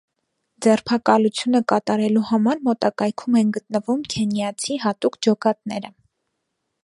Ձերբակալությունը կատարելու համար մոտակայքում են գտնվում քենիացի հատուկ ջոկատները։